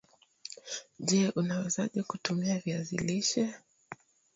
Je! unawezaje kutumia viazi lishe